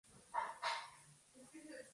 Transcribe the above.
Eran popularmente conocidas como "Mikado".